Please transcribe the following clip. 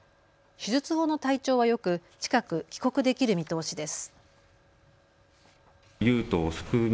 手術後の体調はよく、近く帰国できる見通しです。